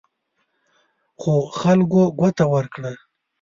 خو خلکو ګوته ورکړه.